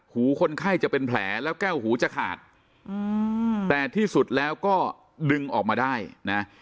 หูคนไข้จะเป็นแผลแล้วแก้วหูจะขาดแต่ที่สุดแล้วก็ดึงออกมาได้นะ